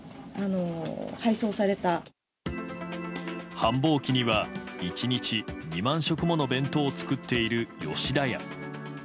繁忙期には１日２万食もの弁当を作っている吉田屋。